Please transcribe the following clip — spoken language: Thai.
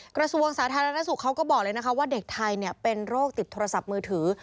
กระทรวงสาธารณสุขเขาก็บอกเลยนะคะว่าเด็กไทยเป็นโรคติดโทรศัพท์มือถือ